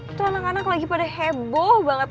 itu anak anak lagi pada heboh banget